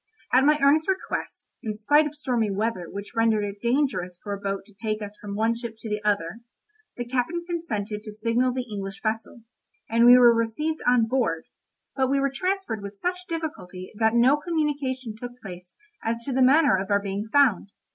At my earnest request, in spite of stormy weather which rendered it dangerous for a boat to take us from one ship to the other, the captain consented to signal the English vessel, and we were received on board, but we were transferred with such difficulty that no communication took place as to the manner of our being found.